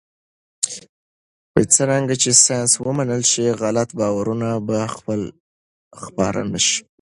څرنګه چې ساینس ومنل شي، غلط باورونه به خپاره نه شي.